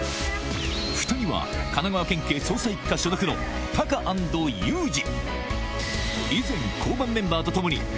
２人は神奈川県警捜査一課所属のタカ＆ユージ